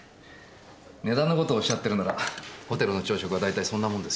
値段のことをおっしゃってるならホテルの朝食はだいたいそんなもんですよ。